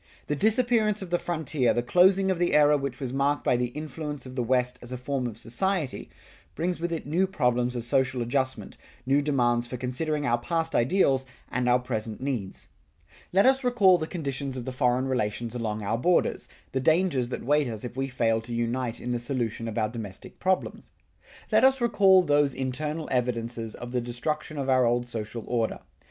The disappearance of the frontier, the closing of the era which was marked by the influence of the West as a form of society, brings with it new problems of social adjustment, new demands for considering our past ideals and our present needs. Let us recall the conditions of the foreign relations along our borders, the dangers that wait us if we fail to unite in the solution of our domestic problems. Let us recall those internal evidences of the destruction of our old social order.